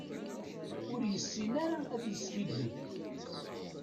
Ur yessin ara ad yeskiddeb.